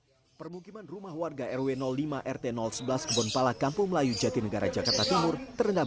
hai permukiman rumah warga rw lima rt sebelas kebonpala kampung melayu jatinegara jakarta timur terendam